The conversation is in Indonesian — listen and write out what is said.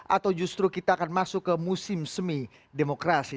atau justru kita akan masuk ke musim semi demokrasi